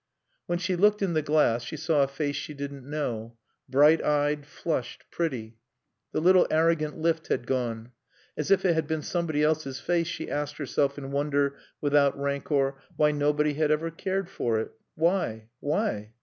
When she looked in the glass she saw a face she didn't know: bright eyed, flushed, pretty. The little arrogant lift had gone. As if it had been somebody else's face she asked herself, in wonder, without rancour, why nobody had ever cared for it. Why? Why?